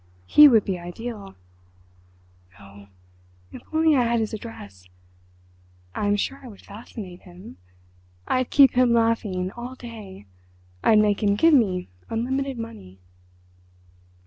He would be ideal. Oh, if I only had his address—I am sure I would fascinate him. I'd keep him laughing all day—I'd make him give me unlimited money...."